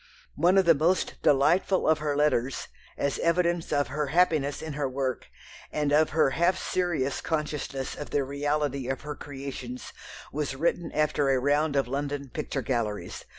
One of the most delightful of her letters, as evidence of her happiness in her work, and of her half serious consciousness of the reality of her creations, was written after a round of London picture galleries.